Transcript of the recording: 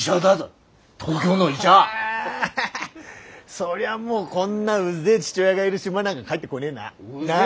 そりゃもうこんなうぜえ父親がいる島なんか帰ってこねえな。なあ？